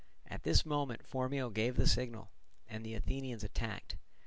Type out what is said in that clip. At this moment Phormio gave the signal, and the Athenians attacked.